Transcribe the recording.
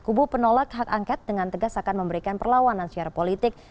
kubu penolak hak angket dengan tegas akan memberikan perlawanan secara politik